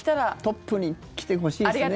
トップに来てほしいですね。